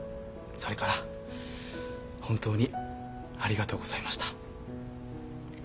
それから本当にありがとうございました。